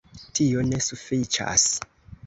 Tio ne sufiĉas.